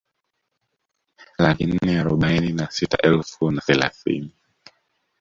Laki nne arobaini na sita elfu na thelathini